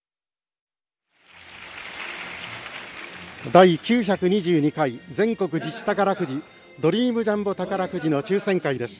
第９２２回全国自治宝くじドリームジャンボ宝くじの抽せん会です。